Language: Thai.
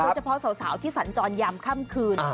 เฉพาะสาวที่สัญจรยามค่ำคืน